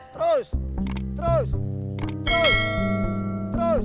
terus terus terus terus